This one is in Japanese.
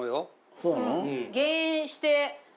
そうなの？